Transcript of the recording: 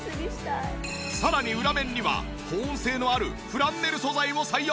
さらに裏面には保温性のあるフランネル素材を採用。